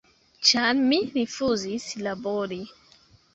Ĉar mi rifuzis labori.